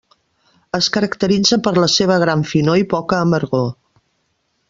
Es caracteritza per la seva gran finor i poca amargor.